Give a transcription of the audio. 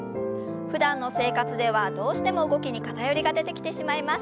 ふだんの生活ではどうしても動きに偏りが出てきてしまいます。